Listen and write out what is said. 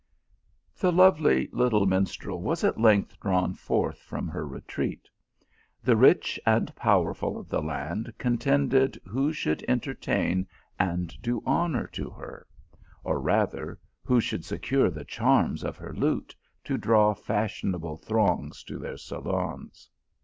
The lovely little minstrel was at length drawn forth from her retreat. The rich and powerful of the land contended who should entertain and do honour to her; or rather, who should secure the charms of her lute, to draw fashionable throngs to their saloons.